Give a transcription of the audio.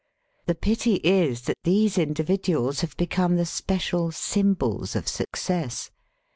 The pitj is that these individuals have become the special symbols of success.